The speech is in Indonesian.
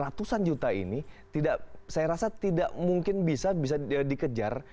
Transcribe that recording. ratusan juta ini tidak saya rasa tidak mungkin bisa bisa dikejar